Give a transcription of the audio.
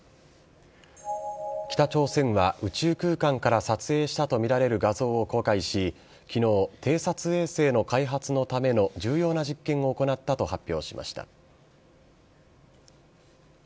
北朝鮮は、宇宙空間から撮影したと見られる画像を公開し、きのう、偵察衛星の開発のための重要な実験を行ったと発表しました。